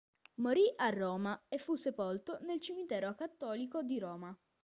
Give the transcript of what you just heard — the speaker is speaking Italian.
Morì a Roma e fu sepolto nel cimitero acattolico di Roma.